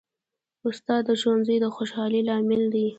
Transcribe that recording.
استاد د ښوونځي د خوشحالۍ لامل دی.